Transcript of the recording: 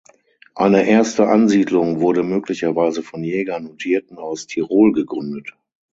Eine erste Ansiedlung wurde möglicherweise von Jägern und Hirten aus Tirol gegründet.